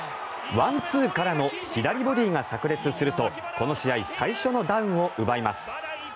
ワンツーからの左ボディーがさく裂するとこの試合最初のダウンを奪います。